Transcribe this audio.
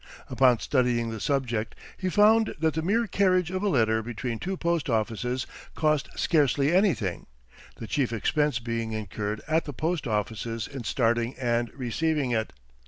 Upon studying the subject, he found that the mere carriage of a letter between two post offices cost scarcely anything, the chief expense being incurred at the post offices in starting and receiving it.